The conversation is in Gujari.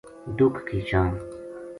دُکھ کی چھاں